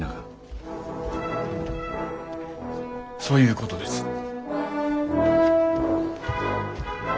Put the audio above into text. そういうことです。